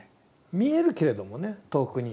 見えるけれどもね遠くに。